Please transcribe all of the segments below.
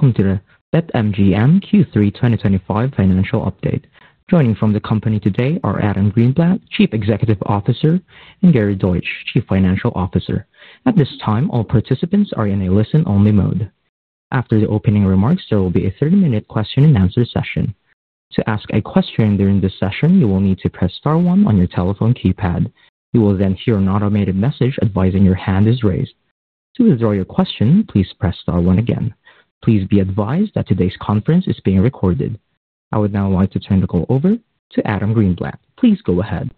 Welcome to the MGM Resorts International Q3 2025 financial update. Joining from the company today are Adam Greenblatt, Chief Executive Officer, and Gary Deutsch, Chief Financial Officer. At this time, all participants are in a listen-only mode. After the opening remarks, there will be a 30-minute question and answer session. To ask a question during this session, you will need to press star 1 on your telephone keypad. You will then hear an automated message advising your hand is raised. To withdraw your question, please press star 1 again. Please be advised that today's conference is being recorded. I would now like to turn the call over to Adam Greenblatt. Please go ahead.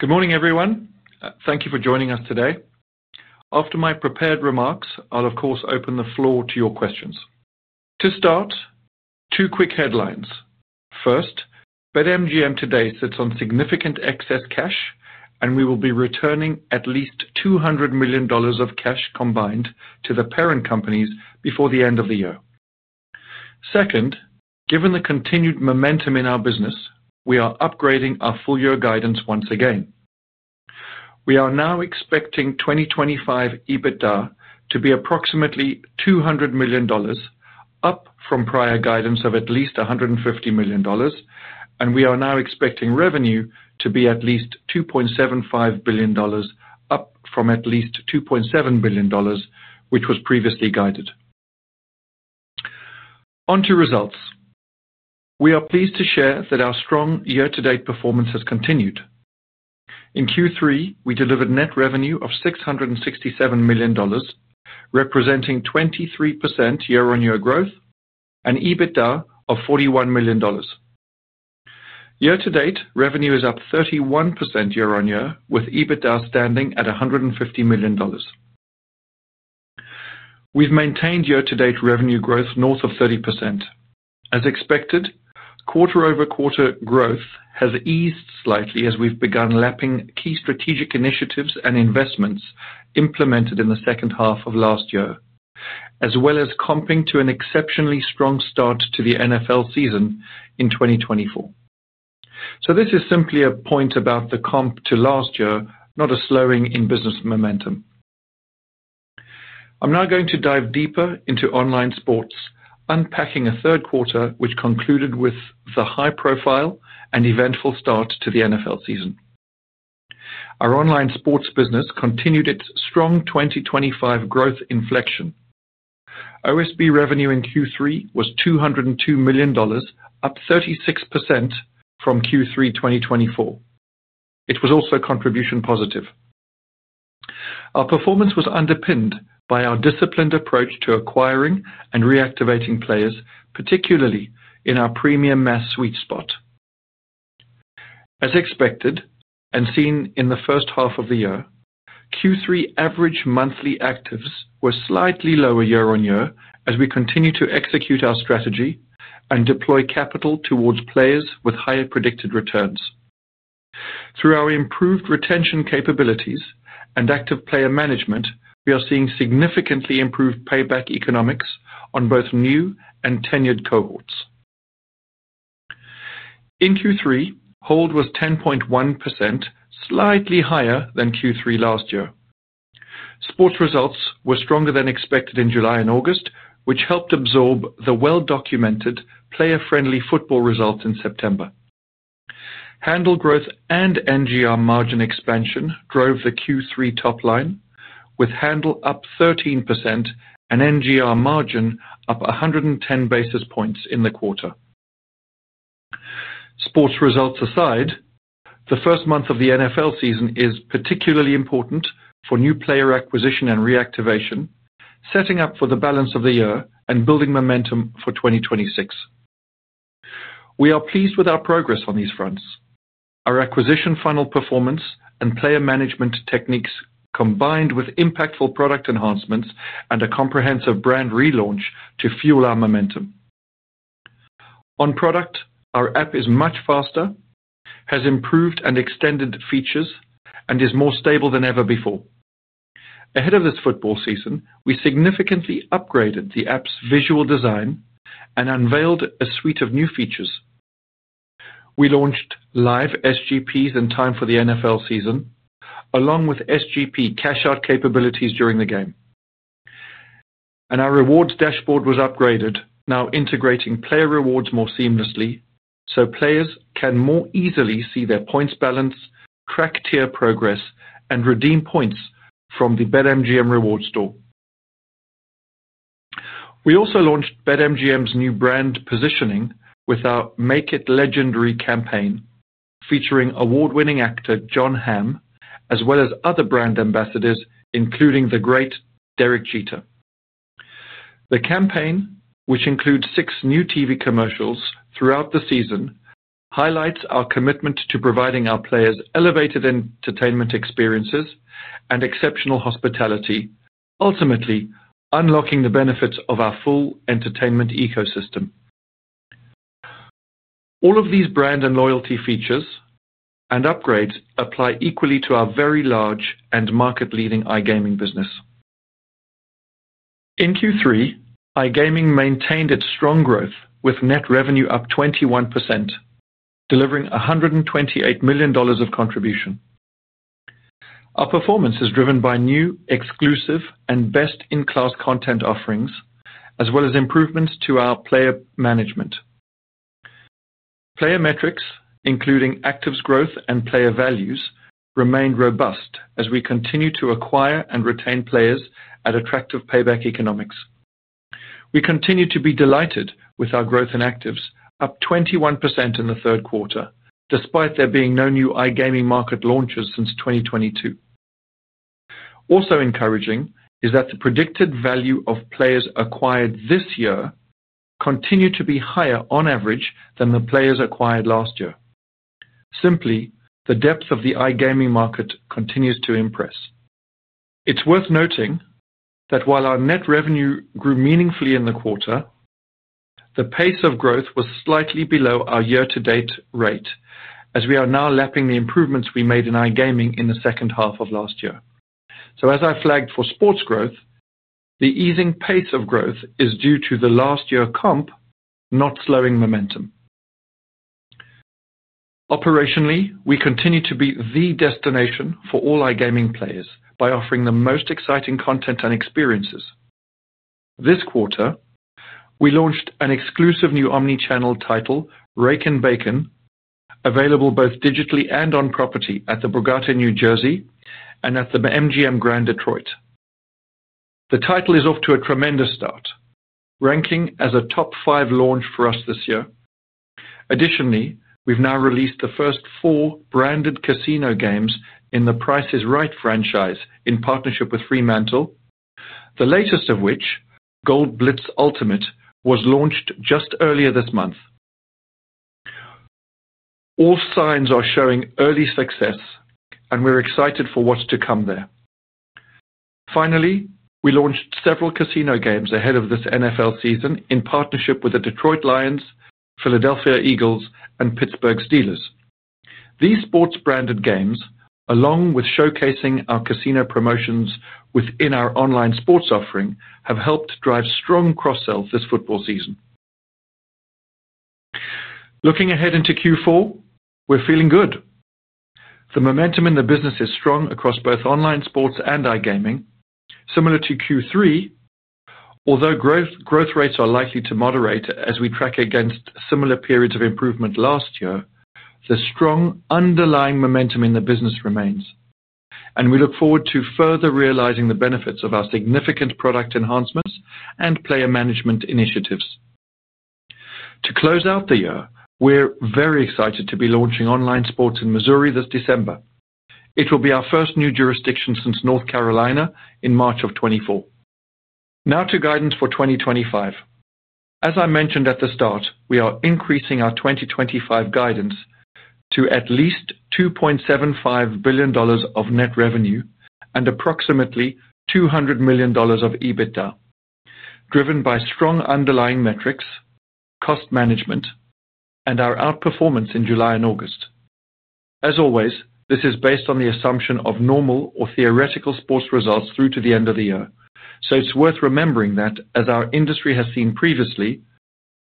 Good morning everyone. Thank you for joining us today. After my prepared remarks, I'll of course open the floor to your questions. To start, two quick headlines. First, BetMGM today sits on significant excess cash and we will be returning at least $200 million of cash combined to the parent companies before the end of the year. Second, given the continued momentum in our business, we are upgrading our full year guidance once again. We are now expecting 2025 EBITDA to be approximately $200 million, up from prior guidance of at least $150 million. We are now expecting revenue to be at least $2.75 billion, up from at least $2.7 billion which was previously guided onto results. We are pleased to share that our strong year to date performance has continued in Q3. We delivered net revenue of $667 million, representing 23% year on year growth, and EBITDA of $41 million. Year to date revenue is up 31% year on year with EBITDA standing at $150 million. We've maintained year to date revenue growth north of 30%. As expected, quarter over quarter growth has eased slightly as we've begun lapping key strategic initiatives and investments implemented in the second half of last year, as well as comping to an exceptionally strong start to the NFL season in 2024. This is simply a point about the comp to last year, not a slowing in business momentum. I'm now going to dive deeper into online sports, unpacking a third quarter which concluded with the high profile and eventful start to the NFL season. Our online sports business continued its strong 2025 growth inflection. OSB revenue in Q3 was $202 million, up 36% from Q3 2024. It was also contribution positive. Our performance was underpinned by our disciplined approach to acquiring and reactivating players, particularly in our premium mass sweet spot. As expected and seen in the first half of the year, Q3 average monthly actives were slightly lower year on year. As we continue to execute our strategy and deploy capital towards players with higher predicted returns through our improved retention capabilities and active player management, we are seeing significantly improved payback. Economics on both new and tenured cohorts in Q3 hold was 10.1%, slightly higher than Q3 last year. Sports results were stronger than expected in July and August, which helped absorb the well documented player friendly football result in September. Handle growth and NGR margin expansion drove the Q3 top line with handle up 13% and NGR margin up 110 basis points in the quarter. Sports results aside, the first month of the NFL season is particularly important for new player acquisition and reactivation, setting up for the balance of the year and building momentum for 2024. We are pleased with our progress on these fronts, our acquisition funnel performance and player management techniques combined with impactful product enhancements and a comprehensive brand relaunch to fuel our momentum on product. Our app is much faster, has improved and extended features, and is more stable than ever before. Ahead of this football season, we significantly upgraded the app's visual design and unveiled a suite of new features. We launched live Same Game Parlays (SGPs) in time for the NFL season along with SGP cashout capabilities during the game, and our rewards dashboard was upgraded, now integrating player rewards more seamlessly so players can more easily see their points, balance, track tier progress, and redeem points from the BetMGM rewards store. We also launched BetMGM's new brand positioning with our Make It Legendary campaign featuring award-winning actor Jon Hamm as well as other brand ambassadors including the great Derek Jeter. The campaign, which includes six new TV commercials throughout the season, highlights our commitment to providing our players elevated entertainment experiences and exceptional hospitality, ultimately unlocking the benefits of our full entertainment ecosystem. All of these brand and loyalty features and upgrades apply equally to our very large and market-leading iGaming business. In Q3, iGaming maintained its strong growth with net revenue up 21%, delivering $128 million of contribution. Our performance is driven by new exclusive and best-in-class content offerings as well as improvements to our player management. Player metrics including actives growth and player values remained robust as we continue to acquire and retain players at attractive payback economics. We continue to be delighted with our growth in actives, up 21% in the third quarter despite there being no new iGaming market launches since 2022. Also encouraging is that the predicted value of players acquired this year continues to be higher on average than the players acquired last year. Simply, the depth of the iGaming market continues to impress. It's worth noting that while our net revenue grew meaningfully in the quarter, the pace of growth was slightly below our year to date rate as we are now lapping the improvements we made in iGaming in the second half of last year. As I flagged for sports growth, the easing pace of growth is due to the last year comp not slowing momentum. Operationally, we continue to be the destination for all our gaming players by offering the most exciting content and experiences. This quarter we launched an exclusive new omnichannel title Rake and Bacon, available both digitally and on property at the Borgata, New Jersey and at the MGM Grand Detroit. The title is off to a tremendous start, ranking as a top five launch for us this year. Additionally, we've now released the first four branded casino games in The Price is Right franchise in partnership with Fremantle, the latest of which, Goldblitz Ultimate, was launched just earlier this month. All signs are showing early success and we're excited for what's to come there. Finally, we launched several casino games ahead of this NFL season in partnership with the Detroit Lions, Philadelphia Eagles, and Pittsburgh Steelers. These sports branded games, along with showcasing our casino promotions within our online sports offering, have helped drive strong cross-sell this football season. Looking ahead into Q4, we're feeling good. The momentum in the business is strong across both online sports and iGaming, similar to Q3. Although growth rates are likely to moderate as we track against similar periods of improvement last year, the strong underlying momentum in the business remains and we look forward to further realizing the benefits of our significant product enhancements and player management initiatives to close out the year. We're very excited to be launching online sports in Missouri this December. It will be our first new jurisdiction since North Carolina in March of 2024. Now to guidance for 2025. As I mentioned at the start, we are increasing our 2025 guidance to at least $2.75 billion of net revenue and approximately $200 million of EBITDA, driven by strong underlying metrics, cost management, and our outperformance in July and August. As always, this is based on the assumption of normal or theoretical sports results through to the end of the year. It's worth remembering that as our industry has seen previously,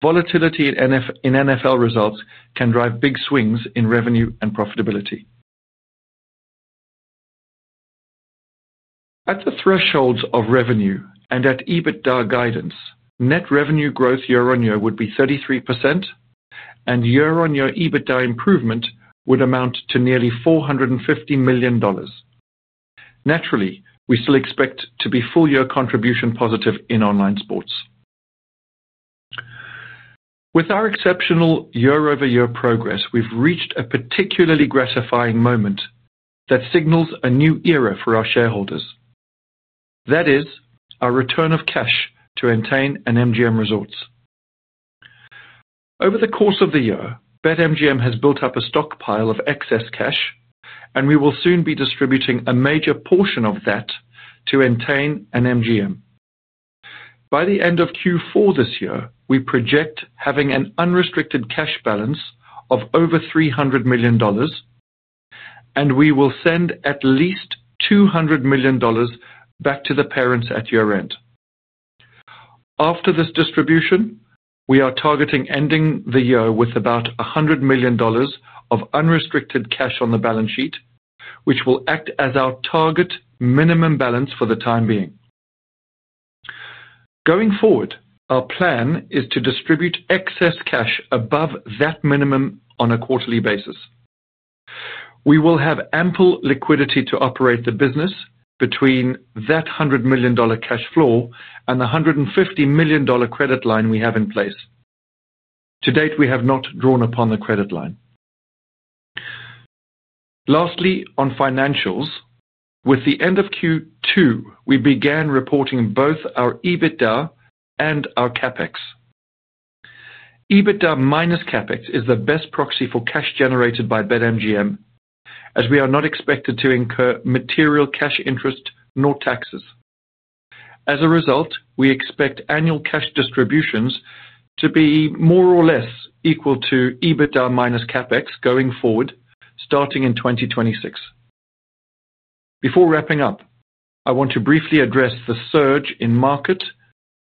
volatility in NFL results can drive big swings in revenue and profitability. At the thresholds of revenue and at EBITDA guidance, net revenue growth year on year would be 33% and year on year EBITDA improvement would amount to nearly $450 million. Naturally, we still expect to be full year contribution positive in online sports. With our exceptional year over year progress, we've reached a particularly gratifying moment that signals a new era for our shareholders. That is our return of cash to Entain and MGM Resorts International. Over the course of the year, BetMGM has built up a stockpile of excess cash and we will soon be distributing a major portion of that to Entain and MGM Resorts International by the end of Q4. This year we project having an unrestricted cash balance of over $300 million and we will send at least $200 million back to the parents at year end after this distribution. We are targeting ending the year with about $100 million of unrestricted cash on the balance sheet, which will act as our target minimum balance for the time being. Going forward, our plan is to distribute excess cash above that minimum on a quarterly basis. We will have ample liquidity to operate the business between that $100 million cash flow and the $150 million credit line we have in place. To date, we have not drawn upon the credit line. Lastly, on financials, with the end of Q2 we began reporting both our EBITDA and our CapEx. EBITDA minus CapEx is the best proxy for cash generated by BetMGM as we are not expected to incur material cash interest nor taxes. As a result, we expect annual cash distributions to be more or less equal to EBITDA minus CapEx going forward starting in 2026. Before wrapping up, I want to briefly address the surge in market,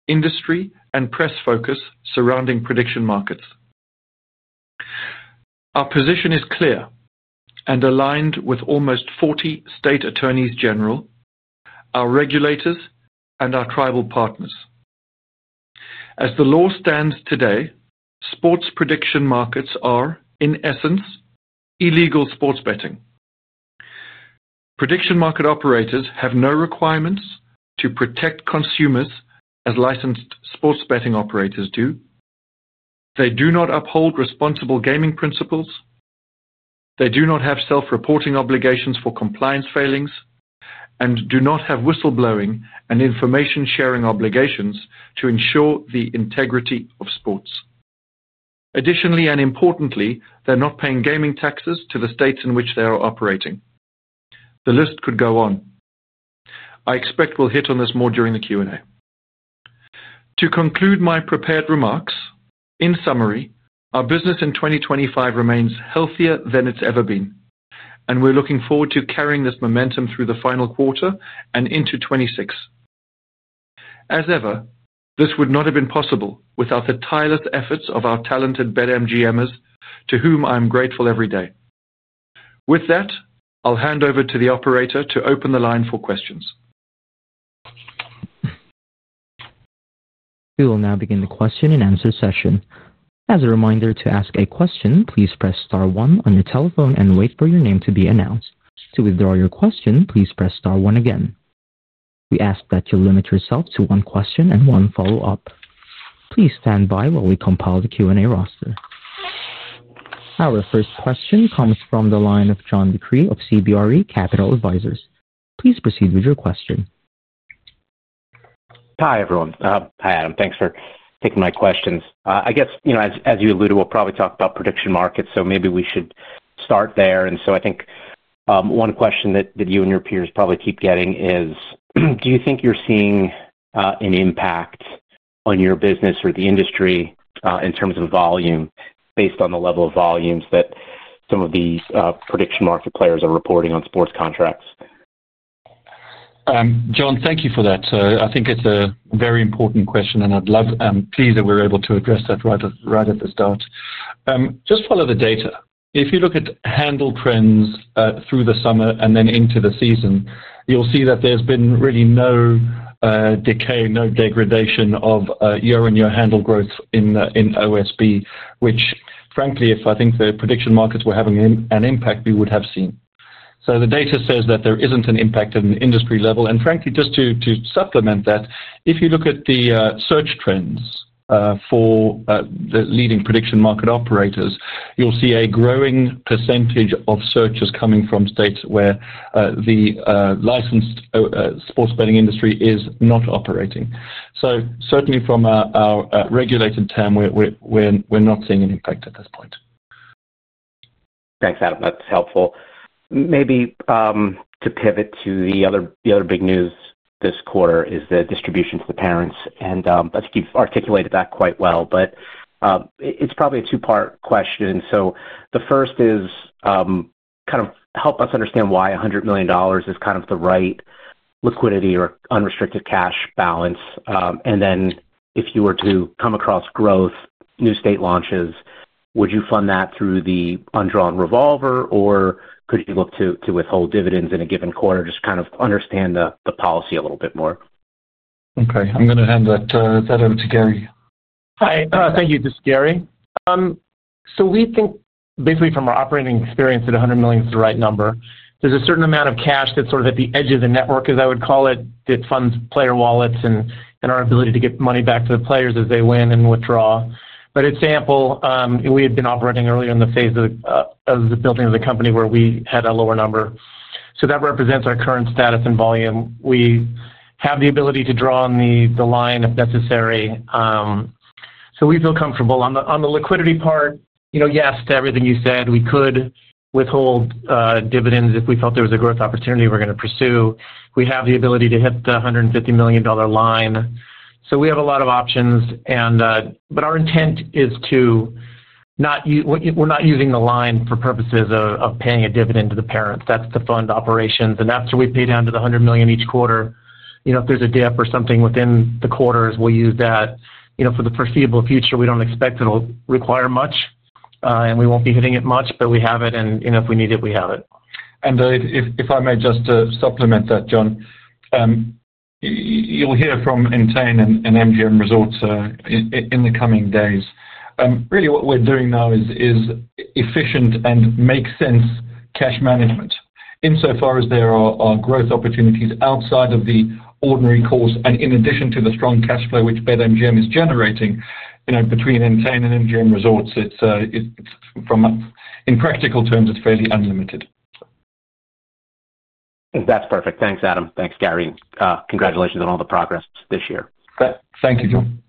industry, and press focus surrounding prediction markets. Our position is clear and aligned with almost 40 state attorneys general, our regulators, and our tribal partners. As the law stands today, sports prediction markets are, in essence, illegal. Sports betting prediction market operators have no requirements to protect consumers as licensed sports betting operators do. They do not uphold responsible gaming principles. They do not have self-reporting obligations for compliance failings and do not have whistleblowing and information sharing obligations to ensure the integrity of sports. Additionally, and importantly, they're not paying gaming taxes to the states in which they are operating. The list could go on. I expect we'll hit on this more during the Q and A to conclude my prepared remarks. In summary, our business in 2025 remains healthier than it's ever been, and we're looking forward to carrying this momentum through the final quarter and into 2026. As ever, this would not have been possible without the tireless efforts of our talented BetMGMers, to whom I am grateful every day. With that, I'll hand over to the operator to open the line for questions. We will now begin the question and answer session. As a reminder, to ask a question, please press star one on your telephone and wait for your name to be announced. To withdraw your question, please press star one. Again, we ask that you limit yourself to one question and one follow up. Please stand by while we compile the Q&A roster. Our first question comes from the line of John DeCree of CBRE. Please proceed with your question. Hi everyone. Hi Adam. Thanks for taking my questions. I guess, as you alluded, we'll probably talk about prediction markets, so maybe we should start there. I think one question that you and your peers probably keep getting is do you think you're seeing an impact on your business or the industry in terms of volume based on the level of volumes that some of the prediction market players are reporting on sports contracts? John, thank you for that. I think it's a very important question and I'm pleased that we're able to address that right at the start. Just follow the data. If you look at handle trends through the summer and then into the season, you'll see that there's been really no decay, no degradation of year on year handle growth in OSB, which frankly if I think the prediction markets were having an impact, we would have seen. The data says that there isn't an impact at an industry level. Frankly, just to supplement that, if you look at the search trends for the leading prediction market operators, you'll see a growing percentage of searches coming from states where the licensed sports betting industry is not operating. Certainly from our regulated term we're not seeing an impact at this point. Thanks, Adam. That's helpful. Maybe to pivot to the other big news this quarter, the distribution to the parents. I think you've articulated that quite well. It's probably a two-part question. The first is, help us understand why $100 million is the right liquidity or unrestricted cash balance. If you were to come across growth, new state launches, would you fund that through the undrawn revolver, or could you look to withhold dividends in a given quarter? Just trying to understand the policy a little bit more. Okay, I'm going to hand that over to Gary. Hi, thank you. This is Gary. We think basically from our operating experience that $100 million is the right number. There's a certain amount of cash that's at the edge of the network, as I would call it, that funds player wallets and our ability to get money back to the players as they win and withdraw. At MGM Resorts International, we had been operating earlier in the phase of the building of the company where we had a lower number. That represents our current status and volume. We have the ability to draw on the line if necessary, so we feel comfortable on the liquidity part. Yes to everything you said. We could withhold dividends if we felt there was a growth opportunity we're going to pursue. We have the ability to hit the $150 million line, so we have a lot of options. Our intent is to not. We're not using the line for purposes of paying a dividend to the parents. That's to fund operations. After we pay down to the $100 million each quarter, if there's a dip or something within the quarters, we'll use that for the foreseeable future. We don't expect it'll require much and we won't be hitting it much. We have it and if we need it, we have it. If I may just supplement that, John, you'll hear from Entain and MGM Resorts International in the coming days. What we're doing now is efficient and makes sense cash management insofar as there are growth opportunities outside of the ordinary course. In addition to the strong cash flow which BetMGM is generating, you know, between Entain and MGM Resorts International, it's from. In practical terms, it's fairly unlimited. That's perfect. Thanks, Adam. Thanks, Gary. Congratulations on all the progress this year. Thank you, John.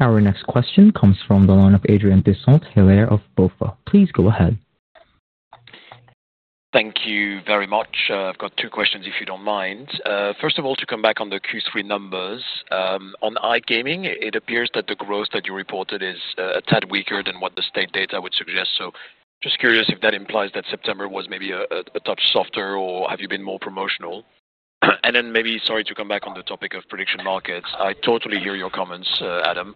Our next question comes from the line of Adrian Disant Hilaire of Bank of America. Please go ahead. Thank you very much. I've got two questions if you don't mind. First of all, to come back on the Q3 numbers on iGaming, it appears that the growth that you reported is a tad weaker than what the state data would suggest. Just curious if that implies that September was maybe a touch softer or have you been more promotional. Sorry to come back on the topic of prediction markets. I totally hear your comments, Adam,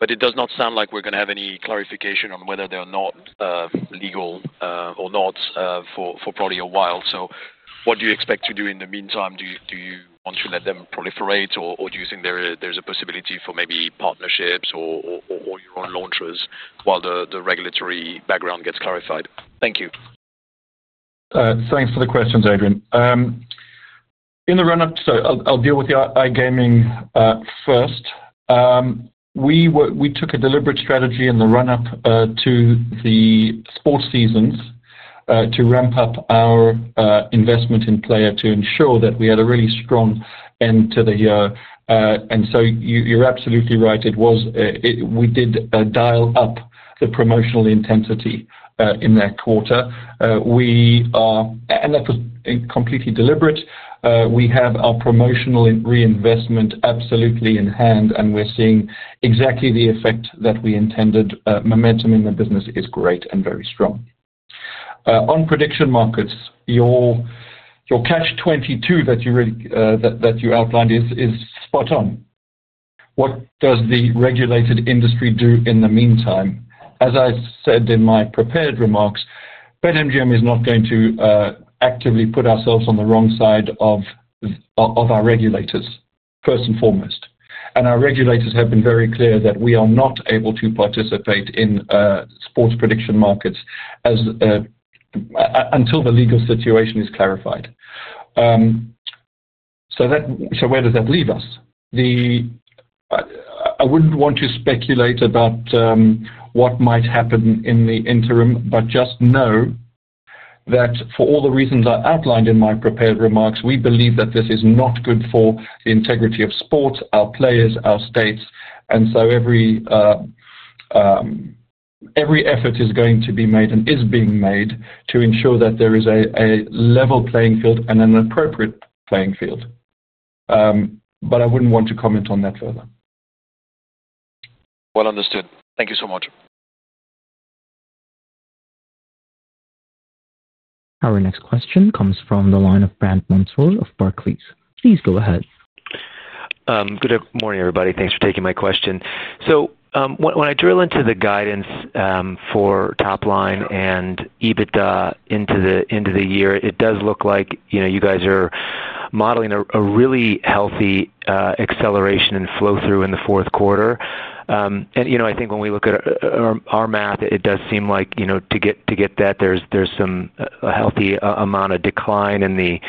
but it does not sound like we're going to have any clarification on whether they are legal or not for probably a while. What do you expect to do in the meantime? Do you want to let them proliferate or do you think there's a possibility for maybe partnerships or your own launchers while the regulatory background gets clarified? Thank you. Thanks for the questions, Adrian. I'll deal with the iGaming first. We took a deliberate strategy in the run up to the sports seasons to ramp up our investment in player acquisition to ensure that we had a really strong end to the year. You're absolutely right. We did dial up the promotional intensity in that quarter. That was completely deliberate. We have our promotional reinvestment absolutely in hand and we're seeing exactly the effect that we intended. Momentum in the business is great and very strong. On prediction markets, your catch-22 that you outlined is spot on. What does the regulated industry do in the meantime? As I said in my prepared remarks, BetMGM is not going to actively put ourselves on the wrong side of our state regulators first and foremost. Our regulators have been very clear that we are not able to participate in sports prediction markets until the legal situation is clarified. Where does that leave us? I wouldn't want to speculate about what might happen in the interim, but just know that for all the reasons I outlined in my prepared remarks, we believe that this is not good for the integrity of sports, our players, our states. Every effort is going to be made and is being made to ensure that there is a level playing field and an appropriate playing field. I wouldn't want to comment on that further. Understood. Thank you so much. Our next question comes from the line of Brandt Montour of Barclays. Please go ahead. Good morning everybody. Thanks for taking my question. When I drill into the guidance for Top Line and EBITDA into the year, it does look like you guys are modeling a really healthy acceleration and flow through in the fourth quarter. I think when we look at our math, it does seem like to get that there's some healthy amount of decline in the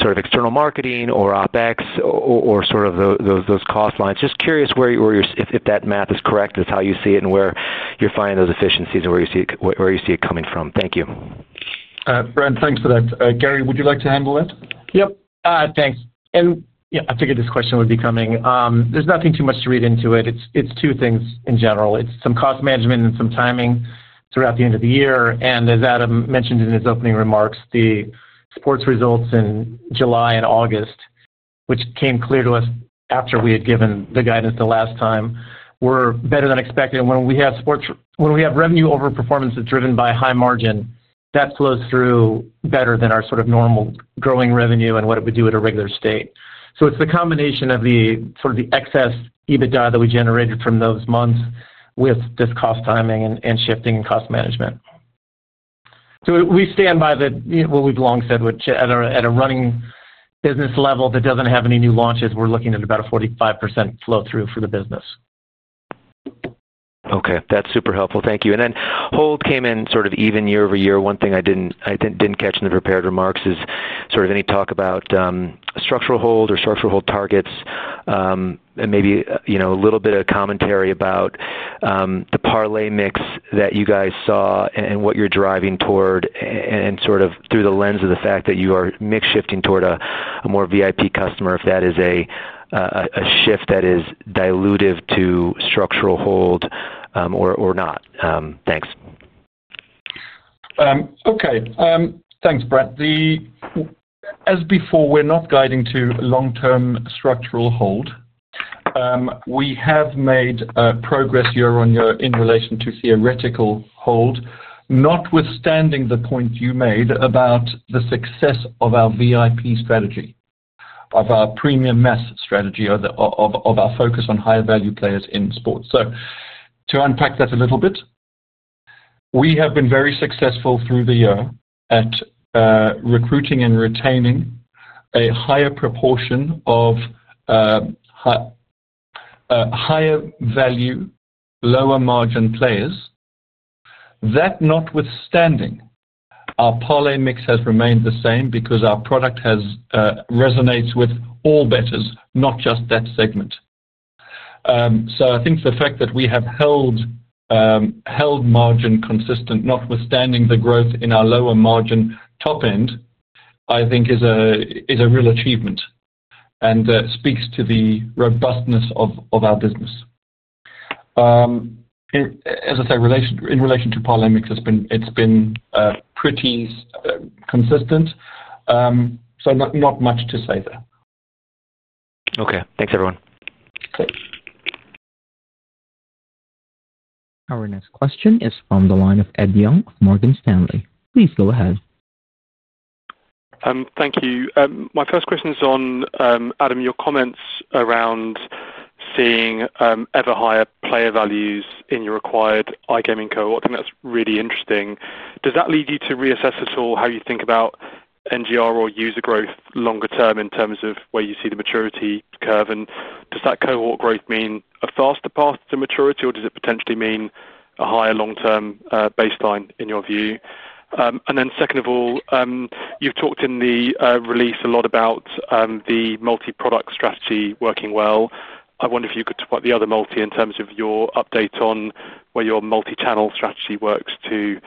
sort of external marketing or OpEx or sort of those cost lines. Just curious if that math is correct, if that's how you see it, and where you're finding those efficiencies and where you see it coming from. Thank you, Brent. Thanks for that. Gary, would you like to handle that? Yep, thanks. I figured this question would be coming. There's nothing too much to read into it. It's two things in general. It's some cost management and some timing throughout the end of the year. As Adam mentioned in his opening remarks, the sports results in July and August, which came clear to us after we had given the guidance the last time, were better than expected. When we have sports, when we have revenue overperformance that's driven by high margin, that flows through better than our sort of normal growing revenue and what it would do at a regular state. It's the combination of the sort of the excess EBITDA that we generated from those months with this cost timing and shifting in cost management. We stand by what we've long said at a running business level that doesn't have any new launches, we're looking at about a 45% flow through for the business. Okay, that's super helpful, thank you. Hold came in sort of even year over year. One thing I didn't catch in the prepared remarks is any talk about structural hold or structural hold targets, and maybe a little bit of commentary about the parlay mix that you guys saw and what you're driving toward, through the lens of the fact that you are mix shifting toward a more VIP customer, if that is a shift that is dilutive to structural hold or not. Thanks. Okay, thanks Brad. As before, we're not guiding to long term structural hold. We have made progress year on year in relation to theoretical hold, notwithstanding the point you made about the success of our VIP strategy, of our premium math strategy, of our focus on higher value players in sports. To unpack that a little bit, we have been very successful through the year at recruiting and retaining a higher proportion of higher value lower margin players. That notwithstanding, our parlay mix has remained the same because our product resonates with all bettors, not just that segment. I think the fact that we have held margin consistent notwithstanding the growth in our lower margin top end is a real achievement and speaks to the robustness of our business. As I said in relation to parlay mix, it's been pretty consistent, not much to say there. Okay, thanks everyone. Our next question is from the line of Ed Young, Morgan Stanley. Please go ahead. Thank you. My first question is on Adam. Your comments around seeing ever higher player values in your acquired iGaming cohort and that's really interesting. Does that lead you to reassess at all how you think about NGR or user growth longer term in terms of where you see the maturity curve and does that cohort growth mean a faster path to maturity or does it potentially mean a higher long term baseline in your view? Second of all, you've talked in the release a lot about the multi product strategy working well, I wonder if you could talk about the other multi in terms of your update on where your multi channel strategy works to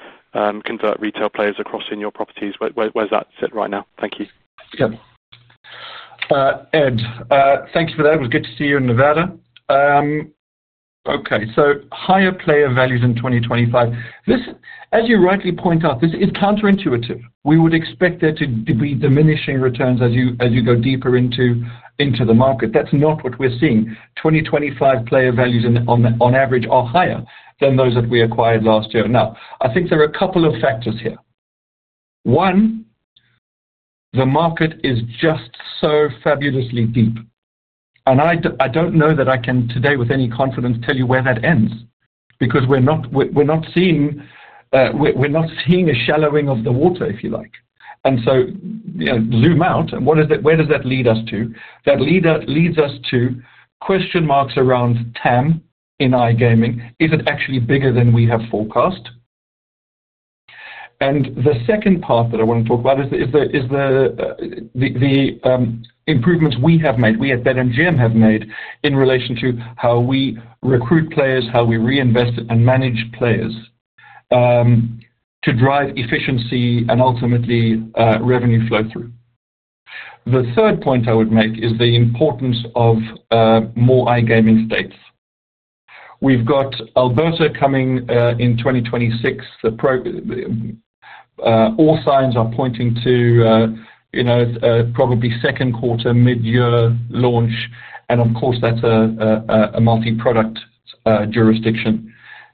convert retail players across in your properties. Where does that sit right now? Thank you, Ed. Thank you for that it was good to see you in Nevada. Okay, higher player values in 2025, as you rightly point out, this is counterintuitive. We would expect there to be diminishing returns as you go deeper into the market. That's not what we're seeing. 2025 player values on average are higher than those that we acquired last year. I think there are a couple of factors here. One, the market is just so fabulously deep and I don't know that I can today with any confidence tell you where that ends because we're not seeing a shallowing of the water if you like. Zoom out, where does that lead us to? That leads us to question marks around TAM in iGaming. Is it actually bigger than we have forecast? The second part that I want to talk about is the improvements we have made, we at BetMGM have made in relation to how we recruit players, how we reinvest and manage players to drive efficiency and ultimately revenue flow through. The third point I would make is the importance of more iGaming states. We've got Alberta coming in 2026. All signs are pointing to probably second quarter mid year launch. Of course that's a multi product jurisdiction.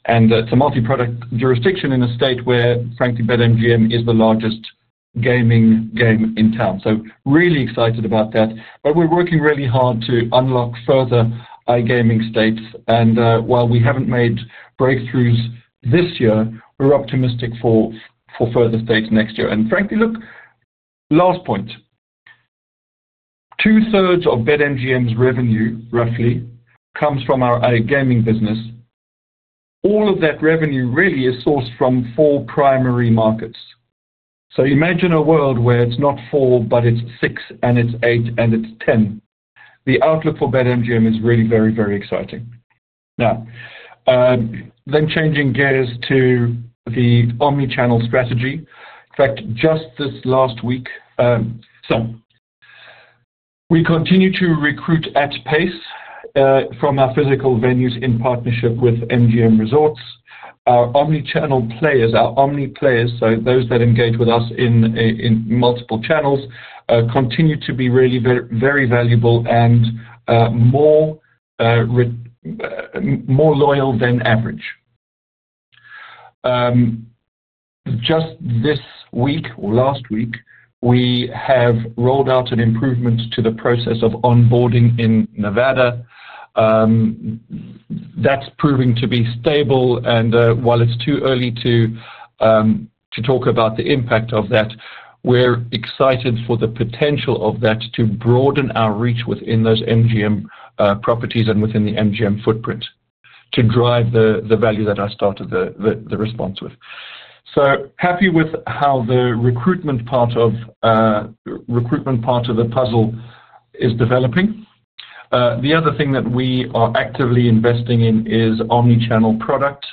It's a multi product jurisdiction in a state where frankly BetMGM is the largest gaming game in town. Really excited about that. We're working really hard to unlock further iGaming states. While we haven't made breakthroughs this year, we're optimistic for further states next year. Frankly, last point, 2/3 of BetMGM's revenue roughly comes from our iGaming business. All of that revenue really is sourced from four primary markets. Imagine a world where it's not 4, but it's 6 and it's 8 and it's 10. The outlook for BetMGM is really very very exciting. Now then, changing gears to the omnichannel strategy, in fact just this last week. We continue to recruit at pace from our physical venues in partnership with MGM Resorts, our omnichannel players, our omni players. Those that engage with us in multiple channels continue to be really very valuable and more loyal than average. Just this week or last week we have rolled out an improvement to the process of onboarding in Nevada that's proving to be stable. While it's too early to talk about the impact of that, we're excited for the potential of that to broaden our reach within those MGM properties and within the MGM footprint to drive the value that I started the response with. Happy with how the recruitment part of the puzzle is developing. The other thing that we are actively investing in is omnichannel product.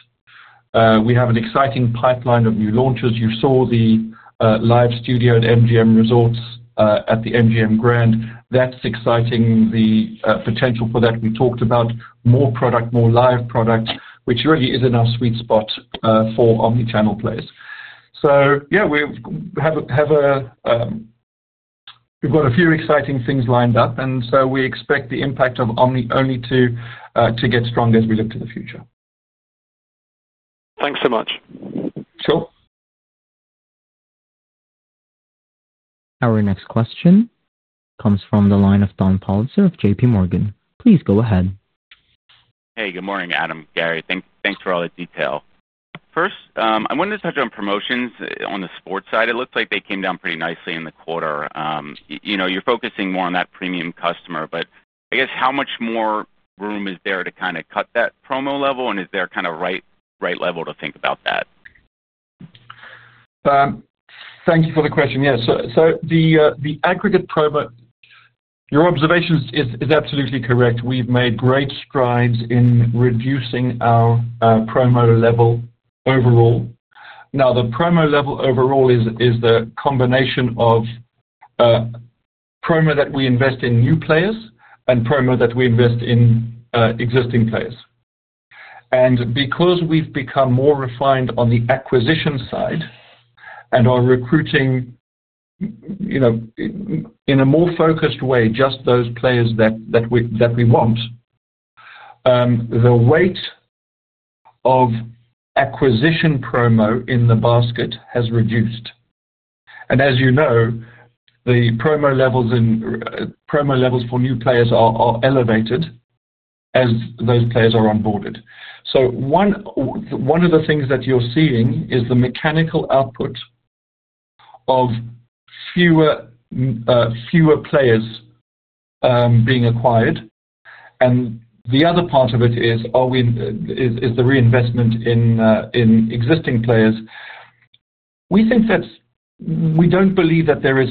We have an exciting pipeline of new launches. You saw the live studio at MGM Resorts at the MGM Grand. That's exciting, the potential for that. We talked about more product, more live product, which really is in our sweet spot for omnichannel players. We've got a few exciting things lined up. We expect the impact of omni only to get stronger as we look to the future. Thanks so much. Our next question comes from the line of Dan Politzer of JP Morgan. Please go ahead. Hey, good morning, Adam. Gary, thanks for all the detail. First, I wanted to touch on promotions on the sports side. It looks like they came down pretty nicely in the quarter. You're focusing more on that premium customer. I guess how much more room is there to kind of cut that promo level? Is there kind of right level to think about that? Thank you for the question. Yes. The aggregate promo, your observation is absolutely correct. We've made great strides in reducing our promo level overall. The promo level overall is the combination of promo that we invest in new players and promo that we invest in existing players. Because we've become more refined on the acquisition side and are recruiting in a more focused way, just those players that we want, the weight of acquisition promo in the basket has reduced. As you know, the promo levels for new players are elevated as those players are onboarded. One of the things that you're seeing is the mechanical output of fewer players being acquired. The other part of it is the reinvestment in existing players. We don't believe that there is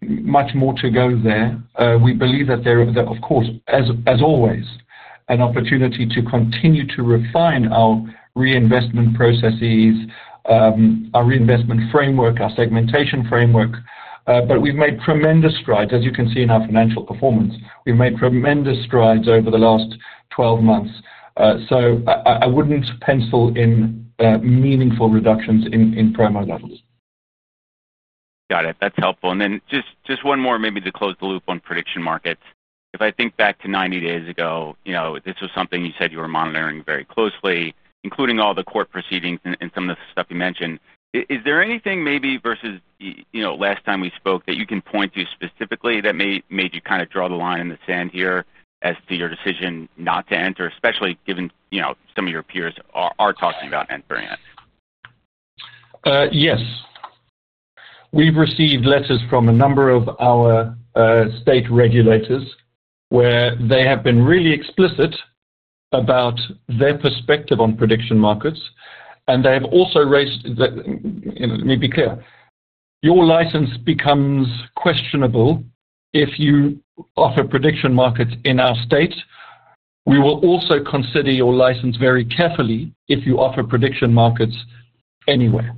much more to go there. We believe that there is, of course, as always, an opportunity to continue to refine our reinvestment processes, our reinvestment framework, our segmentation framework. We've made tremendous strides, as you can see, in our financial performance. We've made tremendous strides over the last 12 months. I wouldn't pencil in meaningful reductions in promo levels. Got it. That's helpful. Just one more maybe to close the loop on sports prediction markets. If I think back to 90 days ago, this was something you said you were monitoring very closely, including all the court proceedings and some of the stuff you mentioned. Is there anything versus last time we spoke that you can point to specifically, that made you kind of draw the line in the sand here as to your decision not to enter, especially given some of your peers are talking about entering. Yes. We've received letters from a number of our state regulators where they have been really explicit about their perspective on prediction markets, and they have also raised, let me be clear, your license becomes questionable if you offer prediction markets in our state. We will also consider your license very carefully if you offer prediction markets anywhere.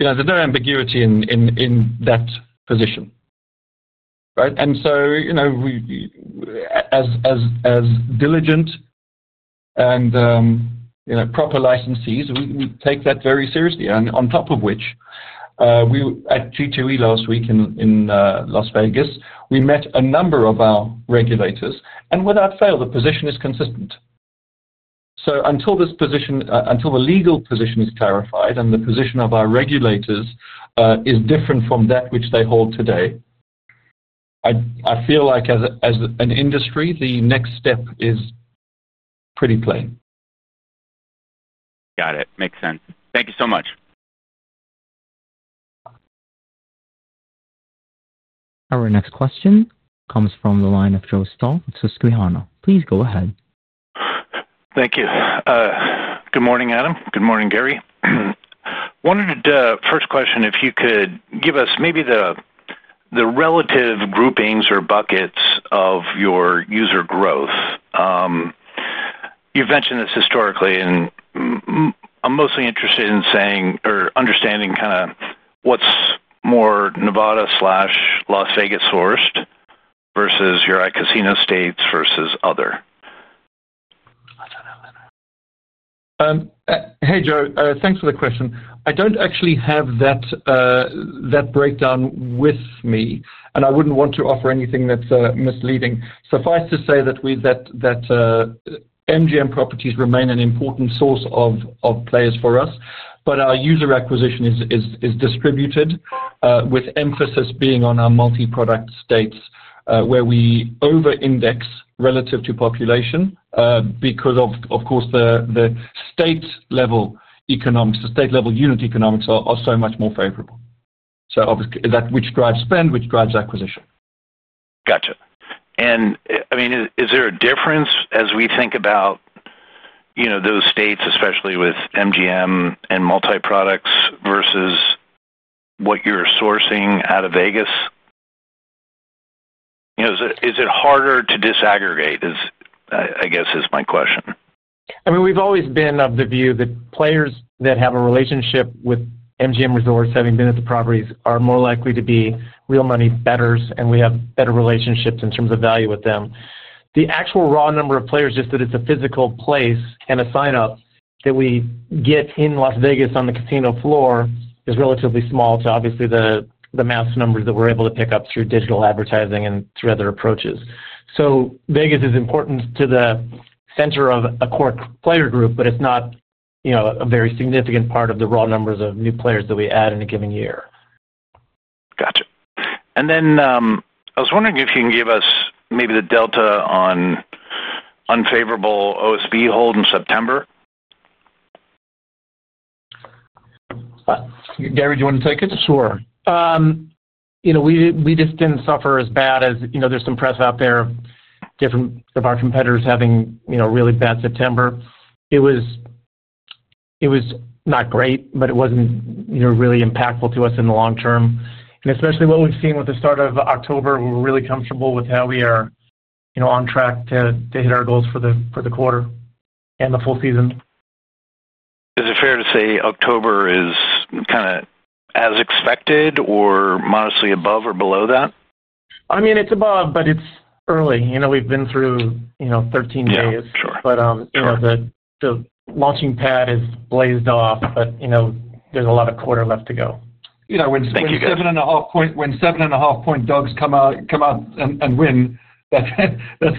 There's no ambiguity in that position. Right. As diligent and proper licensees, we take that very seriously. On top of which, at G2E last week in Las Vegas, we met a number of our regulators, and without fail, the position is consistent. Until this position, until the legal position is clarified and the position of our regulators is different from that which they hold today, I feel like as an industry the next step is pretty plain. Got it. Makes sense. Thank you so much. Our next question comes from the line of Joe Stahl, Susukui Hana. Please go ahead. Thank you. Good morning, Adam. Good morning, Gary. Wanted first question. If you could give us maybe the relative groupings or buckets of your user growth. You've mentioned this historically, and I'm mostly interested in saying or understanding kind of what's more Nevada, Las Vegas sourced versus your iGaming states versus other. Hey Joe, thanks for the question. I don't actually have that breakdown with me, and I wouldn't want to offer anything that's misleading. Suffice to say that MGM properties remain an important source of players for us, but our user acquisition is distributed with emphasis being on our multi product states where we over index relative to population because, of course, the state level economics, the state level unit economics are so much more favorable. That drives spend, which drives acquisition. Gotcha. Is there a difference as we think about those states, especially with MGM and multi products versus what you're sourcing out of Vegas? Is it harder to disaggregate? I guess is my question. I mean we've always been of the view that players that have a relationship with MGM Resorts, having been at the properties, are more likely to be real money bettors and we have better relationships in terms of value with them. The actual raw number of players, just that it's a physical place and a sign-up that we get in Las Vegas on the casino floor, is relatively small compared to the mass numbers that we're able to pick up through digital advertising and through other approaches. Vegas is important to the center of a core player group, but it's not a very significant part of the raw numbers of new players that we add in a given year. Gotcha, and then I was wondering if. You can give us maybe the delta on unfavorable OSB hold in September. Gary, do you want to take it? Sure. We just didn't suffer as bad as, you know, there's some press out there, different of our competitors having, you know, really bad September. It was not great, but it wasn't, you know, really impactful to us in the long term, and especially what we've seen with the start of October. We're really comfortable with how we are on track to hit our goals for the quarter and the full season. Is it fair to say October is kind of as expected, or modestly above or below that? I mean it's above, but it's early. We've been through 13 days, and the launching pad is blazed off. There's a lot of quarter left to go. You know, when seven and a half point dogs come out and win, that's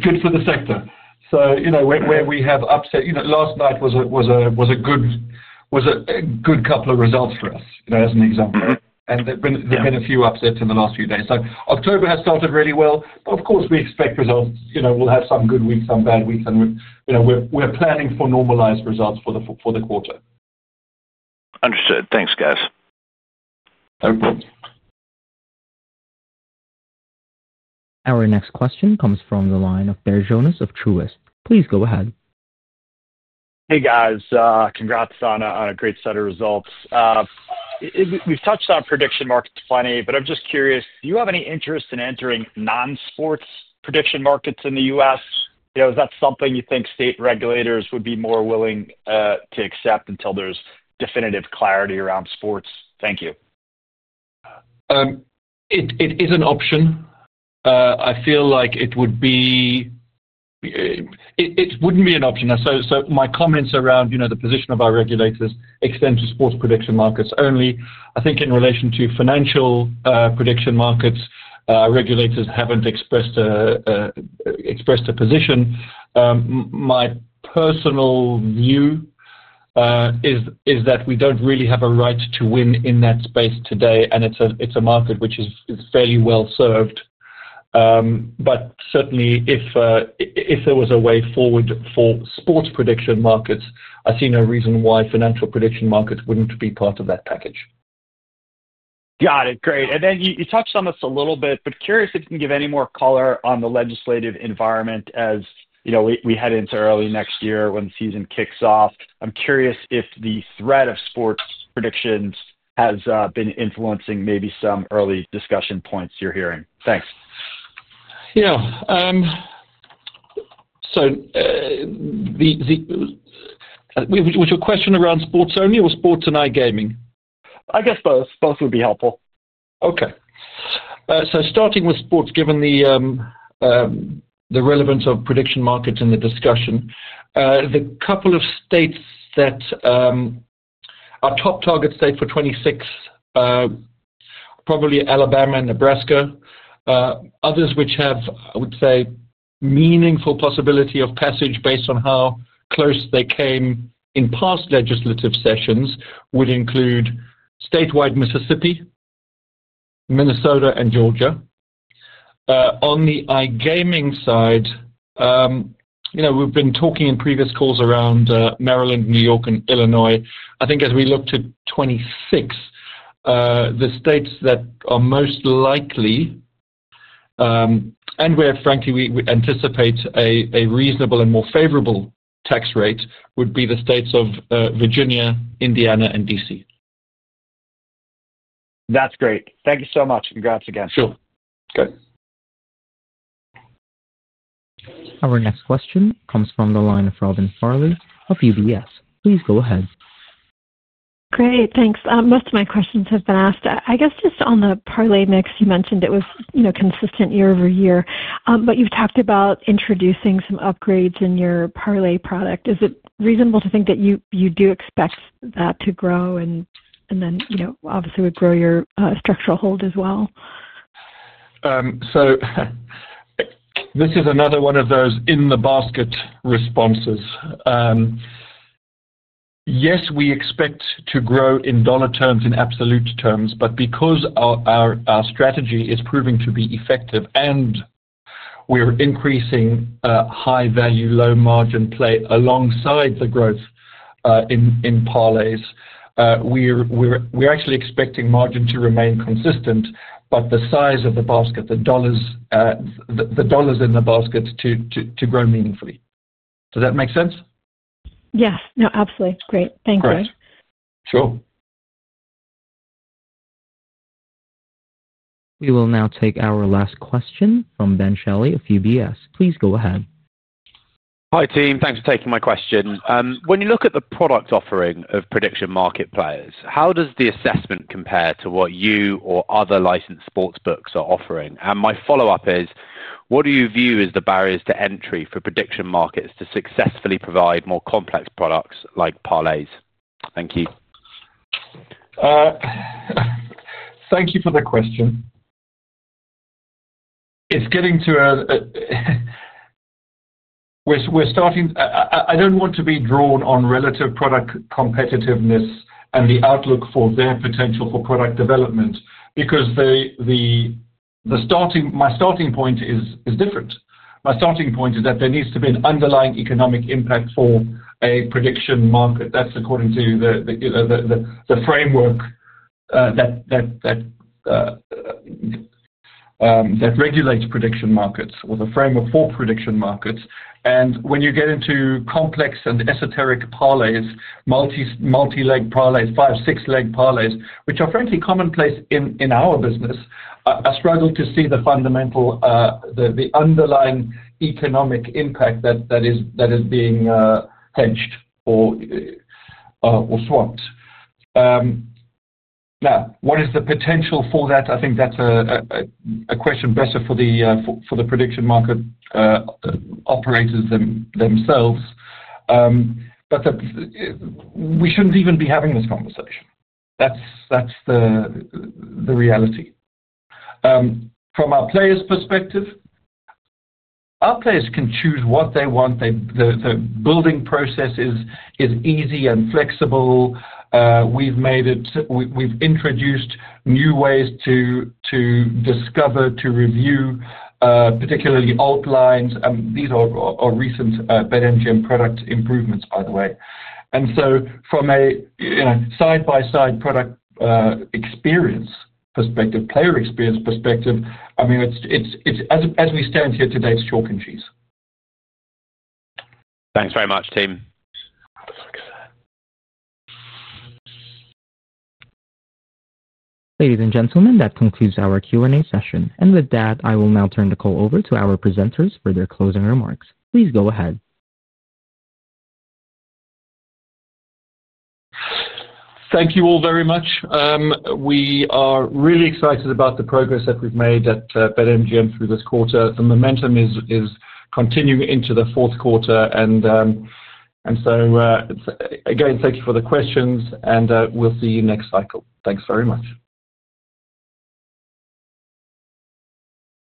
good for the sector. Where we have upset, last night was a good couple of results for us as an example, and there's been a few upsets in the last few days. October has started really well. Of course, we expect results. We'll have some good weeks, some bad weeks, and we're planning for normalized results for the quarter. Understood. Thanks guys. Our next question comes from the line of Barry Jonas of Truist Securities. Please go ahead. Hey guys, congrats on a great set of results. We've touched on prediction markets plenty. I'm just curious, do you have any interest in entering non-sports prediction markets in the U.S.? Is that something you think state regulators would be more willing to accept until there's definitive clarity around sports? Thank you. It is an option. I feel like it wouldn't be an option. My comments around the position of our regulators extend to sports prediction markets only. I think in relation to financial prediction markets, regulators haven't expressed a position. My personal view is that we don't really have a right to win in that space today, and it's a market which is fairly well served. Certainly, if there was a way forward for sports prediction markets, I see no reason why financial prediction markets wouldn't be part of that package. Got it. Great, you touched on this a little bit. Curious if you can give any more color on the legislative environment. As you know, we head into early. Next year when the season kicks off. I'm curious if the threat of sports predictions has been influencing maybe some early discussion points you're hearing. Thanks. Yeah. Was your question around sports only or sports and iGaming? I guess both. Both would be helpful. Okay, starting with sports, given the relevance of prediction markets in the discussion, the couple of states that are top target state for 2026, probably Alabama and Nebraska. Others which have, I would say, meaningful possibility of passage based on how close they came in past legislative sessions, would include statewide Mississippi, Minnesota, and Georgia. On the iGaming side, you know, we've been talking in previous calls around Maryland, New York, and Illinois. I think as we look to 2026, the states that are most likely and where frankly we anticipate a reasonable and more favorable tax rate would be the states of Virginia, Indiana, and D.C. That'S great. Thank you so much. Congrats again. Sure. Good. Our next question comes from the line of Robin Farley of UBS. Please go ahead. Great, thanks. Most of my questions have been asked. I guess just on the parlay mix, you mentioned it was, you know, consistent year over year. You've talked about introducing some upgrades. In your Parlay product, is it reasonable to think that you do expect that to grow and then obviously would grow your structural hold as well? This is another one of those in the basket responses. Yes, we expect to grow in dollar terms, in absolute terms, because our strategy is proving to be effective and we are increasing high value, low margin play alongside the growth in parlays. We're actually expecting margin to remain consistent, but the size of the basket, the dollars in the basket, to grow meaningfully. Does that make sense? Yes. No, absolutely. Great. Thank you. Sure. We will now take our last question from Ben Shelley of UBS. Please go ahead. Hi team. Thanks for taking my question. When you look at the product offering of sports prediction market players, how does the assessment compare to what you or other licensed sportsbooks are offering? My follow up is what do you view as the barriers to entry for prediction markets to successfully provide more complex products like parlays? Thank you. Thank you for the question. We're starting. I don't want to be drawn on relative product competitiveness and the outlook for their potential for product development, because my starting point is different. My starting point is that there needs to be an underlying economic impact for a prediction market. That's according to the framework. That. Regulates prediction markets or the framework for prediction markets. When you get into complex and esoteric parlays, multi-leg parlays, five, six-leg parlays, which are frankly commonplace in our business, I struggle to see the fundamental, the underlying economic impact that is being hedged or swapped. Now, what is the potential for that? I think that's a question better for the prediction market operators themselves. We shouldn't even be having this conversation. That's the reality from our players' perspective. Our players can choose what they want. The building process is easy and flexible. We've introduced new ways to discover, to review, particularly outlines. These are recent BetMGM product improvements, by the way. From a side-by-side product experience perspective, player experience perspective, as we stand here today, it's chalk and cheese. Thanks very much, team. Ladies and gentlemen, that concludes our Q&A session. With that, I will now turn the call over to our presenters for their closing remarks. Please go ahead. Thank you all very much. We are really excited about the progress that we've made at BetMGM through this quarter. The momentum is continuing into the fourth quarter, and again, thank you for the questions and we'll see you next cycle. Thanks very much.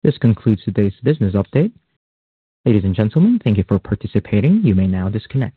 This concludes today's business update. Ladies and gentlemen, thank you for participating. You may now disconnect.